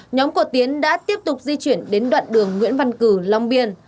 nhóm của tiến đã tiếp tục di chuyển đến đoạn đường nguyễn văn cử long biên